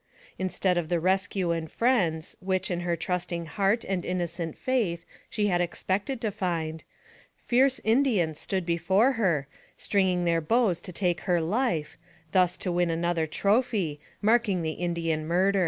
Instead of the rescue and friends which, in her trusting heart and innocent faith, she had expected to find, fierce Indians stood before her, stringing their bows to take her life, thus to win another trophy, marking the Indian murderer.